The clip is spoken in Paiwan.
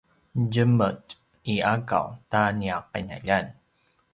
djemetj i akaw ta nia qinaljan